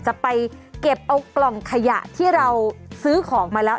จะไปเก็บเอากล่องขยะที่เราซื้อของมาแล้ว